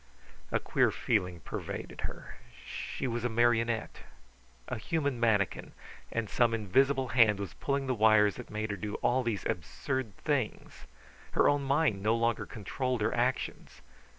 A queer feeling pervaded her: She was a marionette, a human manikin, and some invisible hand was pulling the wires that made her do all these absurd things. Her own mind no longer controlled her actions.